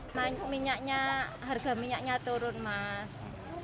minyaknya harga minyaknya turun mas